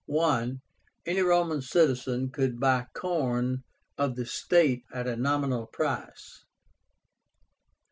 Any Roman citizen could buy corn of the state at a nominal price.